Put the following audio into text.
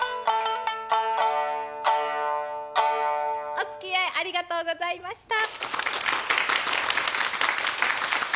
おつきあいありがとうございました。